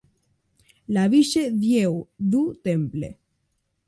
La Ville-Dieu-du-Temple